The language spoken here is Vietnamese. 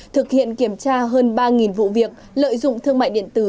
thực hiện kiểm tra hơn ba vụ việc lợi dụng thương mại điện tử